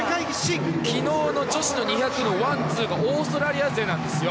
昨日の女子の２００のワンツーがオーストラリア勢なんですよ。